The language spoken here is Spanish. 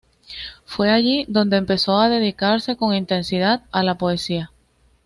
Fue allí donde empezó a dedicarse con intensidad a la poesía.